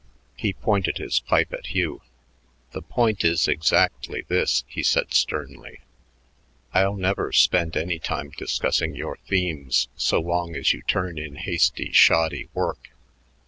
He pointed his pipe at Hugh. "The point is exactly this," he said sternly. "I'll never spend any time discussing your themes so long as you turn in hasty, shoddy work.